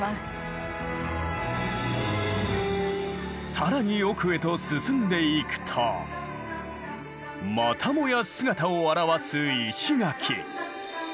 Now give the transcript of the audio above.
更に奥へと進んでいくとまたもや姿を現す石垣。